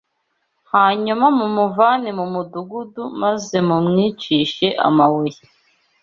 Hanyuma mumuvane mu mudugudu maze mumwicishe amabuye